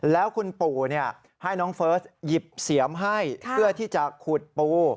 แล้วคุณปู่ให้น้องเฟิร์สหยิบเสียมให้เพื่อที่จะขุดปู